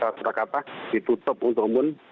terdapat kata ditutup untuk umun